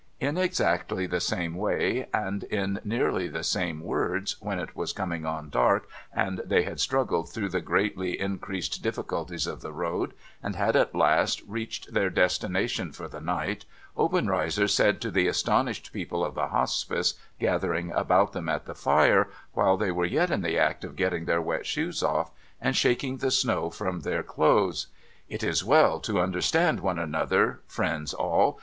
In exactly the same way, and in nearly the same words, when it was coming on dark and they had struggled through the greatly increased difficulties of the road, and had at last reached their destination for the night, Obenreizer said to the astonished people of the Hospice, gathering about them at the fire, while they were yet in the act of getting their wet shoes off, and shaking the snow from their clothes : 550 NO THOROUGHFARE • It is well to understand one another, friends all.